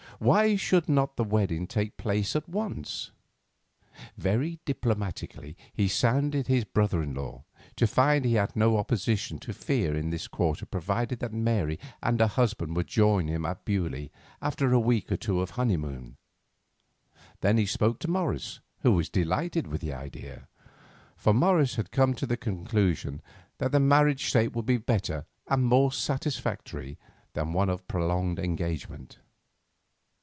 Why should not the wedding take place at once? Very diplomatically he sounded his brother in law, to find that he had no opposition to fear in this quarter provided that Mary and her husband would join him at Beaulieu after a week or two of honeymoon. Then he spoke to Morris, who was delighted with the idea. For Morris had come to the conclusion that the marriage state would be better and more satisfactory than one of prolonged engagement.